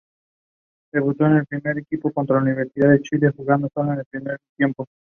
Debutó por el primer equipo contra Universidad de Chile, jugando solo el primer tiempo.